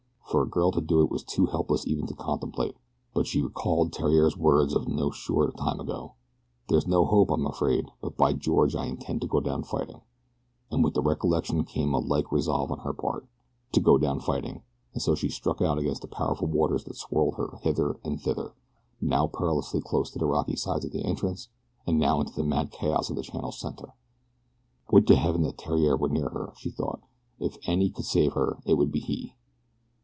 For a girl to do it was too hopeless even to contemplate; but she recalled Theriere's words of so short a time ago: "There's no hope, I'm afraid; but, by George, I intend to go down fighting," and with the recollection came a like resolve on her part to go down fighting, and so she struck out against the powerful waters that swirled her hither and thither, now perilously close to the rocky sides of the entrance, and now into the mad chaos of the channel's center. Would to heaven that Theriere were near her, she thought, for if any could save her it would be he.